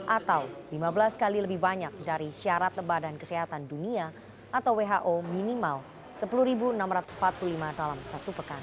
atau lima belas kali lebih banyak dari syarat badan kesehatan dunia atau who minimal sepuluh enam ratus empat puluh lima dalam satu pekan